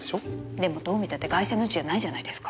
でもどう見たってガイシャの字じゃないじゃないですか。